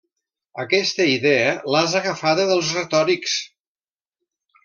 Aquesta idea l'has agafada dels retòrics.